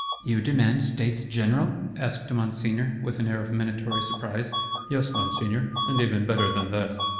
'You demand States General?' asked Monseigneur with an air of minatory surprise.—'Yes, Monseigneur; and even better than that.